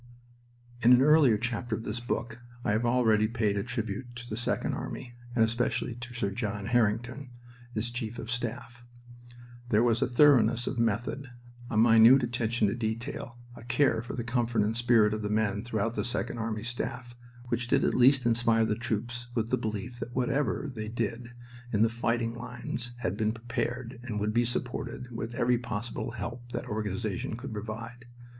In an earlier chapter of this book I have already paid a tribute to the Second Army, and especially to Sir John Harington, its chief of staff. There was a thoroughness of method, a minute attention to detail, a care for the comfort and spirit of the men throughout the Second Army staff which did at least inspire the troops with the belief that whatever they did in the fighting lines had been prepared, and would be supported, with every possible help that organization could provide.